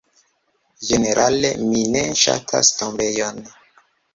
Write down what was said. Ĝenerale mi ne ŝatas tombejojn.